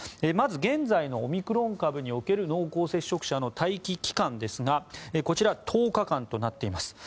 まず、現在のオミクロン株における濃厚接触者の待機期間ですがこちらは１０日間となっています